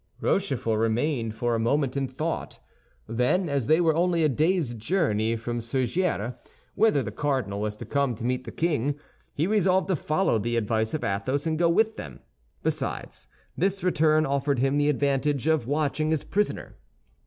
Rochefort remained for a moment in thought; then, as they were only a day's journey from Surgères, whither the cardinal was to come to meet the king, he resolved to follow the advice of Athos and go with them. Besides, this return offered him the advantage of watching his prisoner.